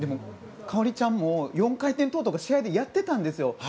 花織ちゃんも４回転とか試合でやってたんですよ。